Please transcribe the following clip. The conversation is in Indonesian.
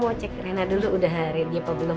bapak saya mau cek rena dulu udah ready apa belum